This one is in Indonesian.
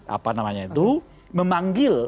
apa namanya itu memanggil